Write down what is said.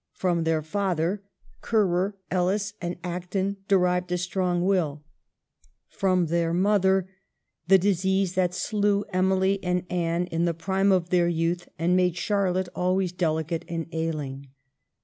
From their father, Currer, Ellis, and Acton derived a strong will ; from their mother, the disease that slew Emily and Anne in the prime of their youth and made Charlotte always delicate and ailing.